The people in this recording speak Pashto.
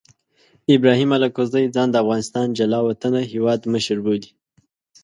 ابراهیم الکوزي ځان د افغانستان جلا وطنه هیواد مشر بولي.